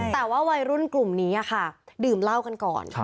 แต่ว่าวัยรุ่นกลุ่มนี้ค่ะดื่มเหล้ากันก่อน